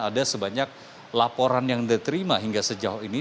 ada sebanyak laporan yang diterima hingga sejauh ini